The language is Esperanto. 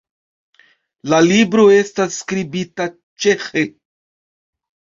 La libro estas skribita ĉeĥe.